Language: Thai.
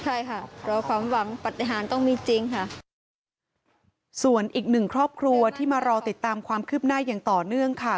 ใช่ค่ะรอความหวังปฏิหารต้องมีจริงค่ะส่วนอีกหนึ่งครอบครัวที่มารอติดตามความคืบหน้าอย่างต่อเนื่องค่ะ